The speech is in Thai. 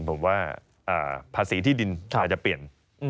ผมว่าภาษีที่ดินอาจจะเปลี่ยน